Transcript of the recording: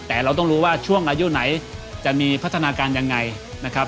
แต่เราต้องรู้ว่าช่วงอายุไหนจะมีพัฒนาการยังไงนะครับ